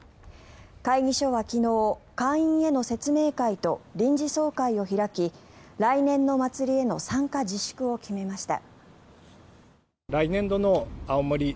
会議所は昨日会員への説明会と臨時総会を開き来年の祭りへの参加自粛を決めました。